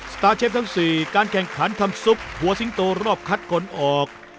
ตาร์เชฟทั้ง๔การแข่งขันทำซุปหัวสิงโตรอบคัดกลออก